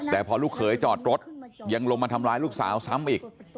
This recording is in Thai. แต่พอลูกเขยจอดรถยังลงมาทำร้ายลูกสาวซ้ำอีก